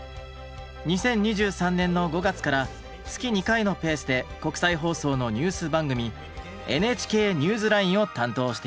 ２０２３年の５月から月２回のペースで国際放送のニュース番組「ＮＨＫＮＥＷＳＬＩＮＥ」を担当しています。